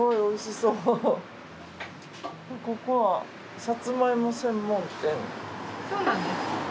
そうなんです。